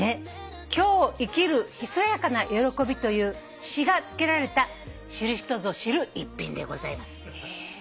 「今日生きるひそやかな喜び」という詩がつけられた知る人ぞ知る逸品でございます。